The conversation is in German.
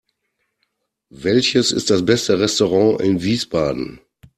Welches ist das beste Restaurant in Wiesbaden?